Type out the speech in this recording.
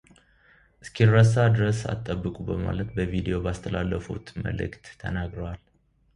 ይህ እስኪረሳ ድረስ አትጠብቁ በማለት በቪዲዮ ባስተላለፉት መልዕክት ተናግረዋል።